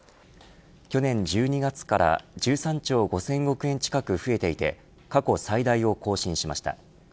去年１２月から１３兆５０００億円近く増えていて過去最大を更新しました。